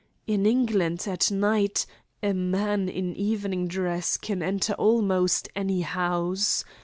In England, at night, a man in evening dress can enter almost any house.